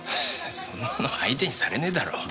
そんなの相手にされねぇだろう。